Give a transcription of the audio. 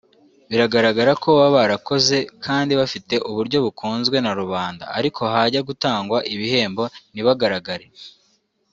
bigaragaza ko baba barakoze kandi bafite uburyo bakunzwe na rubanda ariko hajya gutangwa ibihembo ntibagaragare